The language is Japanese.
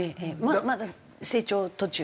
まだ成長途中。